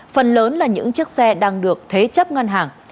phần lớn là những chiếc xe đang được thế chấp ngân hàng